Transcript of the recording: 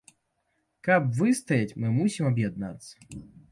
Каб выстаяць, мы мусім аб'яднацца.